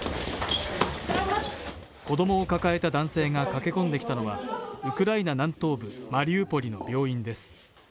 子供を抱えた男性が駆け込んできたのは、ウクライナ南東部マリウポリの病院です。